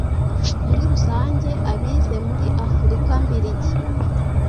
Muri rusange abize, muri Afurika mbiligi,